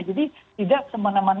jadi tidak semena mena